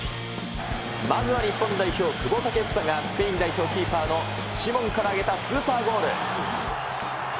まずは日本代表、久保建英がスペイン代表キーパーのシモンからあげたスーパーゴール。